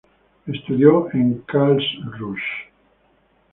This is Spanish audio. Estudió en Karlsruhe.